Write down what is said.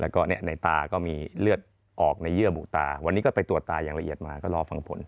แล้วก็ในตาก็มีเลือดออกในเยื่อบุตาวันนี้ก็ไปตรวจตาอย่างละเอียดมาก็รอฟังผล